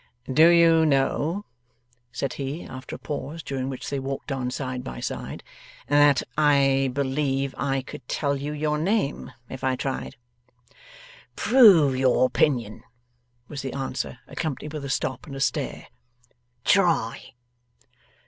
'Do you know,' said he, after a pause, during which they walked on side by side, 'that I believe I could tell you your name, if I tried?' 'Prove your opinion,' was the answer, accompanied with a stop and a stare. 'Try.